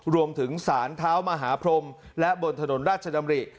รวมถึงสารเท้ามหาพรมและบนถนนราชดำริ